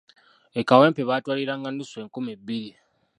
E kawempe baatwaliranga nnusu enkumi bbiri!